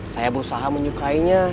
saya berusaha menyukainya